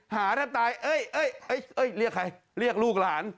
หาแทบตายเรียกใครเรียกลูกหลาน